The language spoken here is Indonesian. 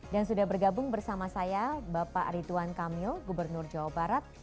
dan sudah bergabung bersama saya bapak arituan kamil gubernur jawa barat